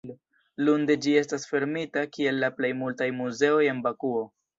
Lunde ĝi estas fermita kiel la plej multaj muzeoj en Bakuo.